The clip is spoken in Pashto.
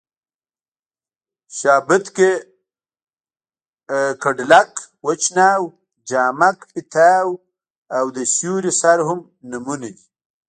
شابېتکه، کډلک، وچ ناو، جامک پېتاو او د سیوري سر هم نومونه دي.